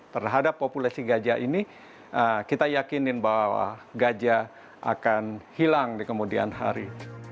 terhadap populasi gajah ini kita yakinin bahwa gajah akan hilang di kemudian hari